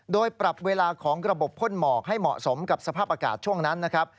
โดยปรับเวลาของระบบพ่นหมอกให้เหมาะสมกับสภาพอากาศช่วงนั้นนะครับ